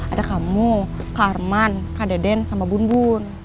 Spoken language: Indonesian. ada kamu kak arman kak deden sama bun bun